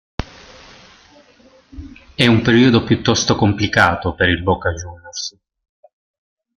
È un periodo piuttosto complicato per il Boca Juniors.